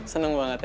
seneng banget ya